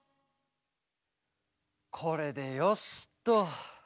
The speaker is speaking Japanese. これでよしっと。